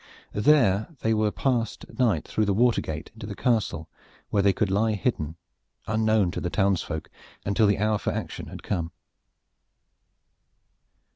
There they were passed at night through the water gate into the castle where they could lie hidden, unknown to the townsfolk, until the hour for action had come.